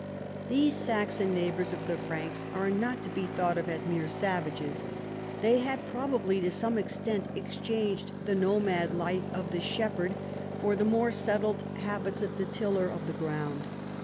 These Saxon neighbors of the Franks are not to be thought of as mere savages. They had probably to some extent exchanged the nomad life of the shepherd for the more settled habits of the tiller of the ground.